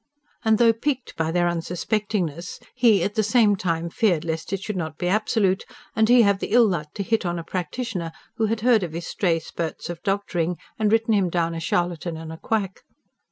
And, though piqued by their unsuspectingness, he at the same time feared lest it should not be absolute, and he have the ill luck to hit on a practitioner who had heard of his stray spurts of doctoring and written him down a charlatan and a quack.